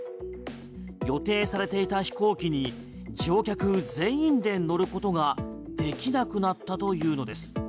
予定されていた飛行機に乗客全員で乗ることができなくなったというのです。